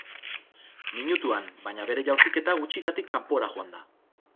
Minutuan, baina bere jaurtiketa gutxigatik kanpora joan da.